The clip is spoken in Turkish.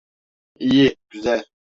İyi, güzel.